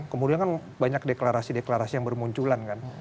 kemudian kan banyak deklarasi deklarasi yang bermunculan kan